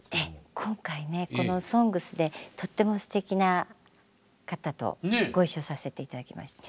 今回ねこの「ＳＯＮＧＳ」でとってもすてきな方とご一緒させて頂きました。